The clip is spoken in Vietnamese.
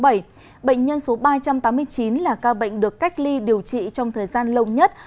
bệnh nhân số ba trăm tám mươi chín là ca bệnh được cách ly điều trị trong thời gian lâu nhất